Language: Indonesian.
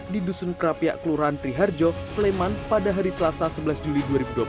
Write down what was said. di dusun kerapia kelurahan triharjo sleman pada hari selasa sebelas juli dua ribu dua puluh tiga